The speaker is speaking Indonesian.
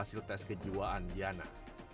hasil tes kejiwaan yana